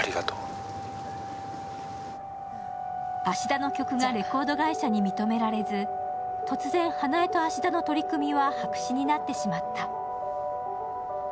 芦田の曲がレコード会社に認められず突然、花枝と芦田の取り組みは白紙になってしまった。